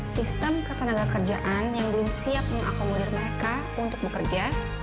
sistem ketenaga kerjaan yang belum siap mengakomodir mereka untuk bekerja